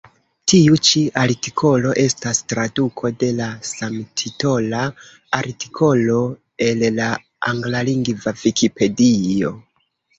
Tiu ĉi artikolo estas traduko de la samtitola artikolo el la anglalingva Vikipedio.